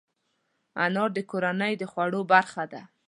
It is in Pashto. انار د کورنۍ د خوړو برخه ده.